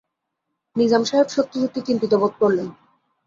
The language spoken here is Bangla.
নিজাম সাহেব সত্যি-সত্যি চিন্তিত বোধ করলেন।